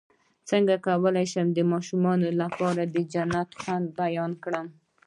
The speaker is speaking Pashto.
څنګه کولی شم د ماشومانو لپاره د جنت د خوند بیان کړم